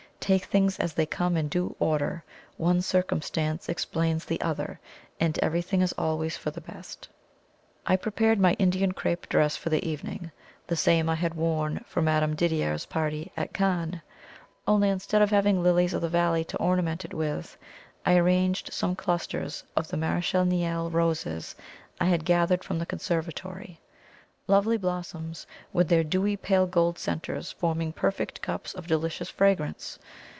Take things as they come in due order: one circumstance explains the other, and everything is always for the best." I prepared my Indian crepe dress for the evening, the same I had worn for Madame Didier's party at Cannes; only, instead of having lilies of the valley to ornament it with, I arranged some clusters of the Marechal Niel roses I had gathered from the conservatory lovely blossoms, with their dewy pale gold centres forming perfect cups of delicious fragrance.